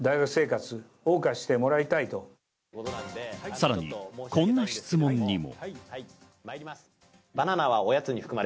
さらに、こんな質問にも。